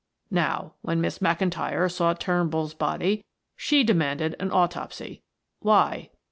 Now, when Miss McIntyre saw Turnbull's body, she demanded an autopsy. Why?"